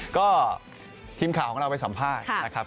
ก็ทีมข่าวของเราไปสัมภาษณ์นะครับ